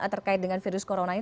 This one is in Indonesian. terkait dengan virus corona ini